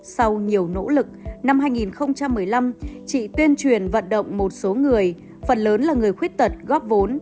sau nhiều nỗ lực năm hai nghìn một mươi năm chị tuyên truyền vận động một số người phần lớn là người khuyết tật góp vốn